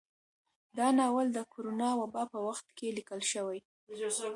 دا ناول د کرونا وبا په وخت کې ليکل شوى